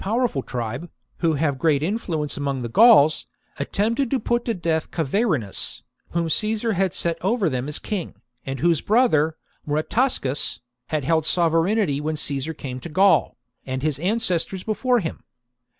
powerful tribe, who have great influence among the Gauls, attempted to put to death Cavarinus, whom Caesar had set over them as king, and whose brother, Moritasgus, had held sovereignty when Caesar came to Gaul, and his ancestors before him.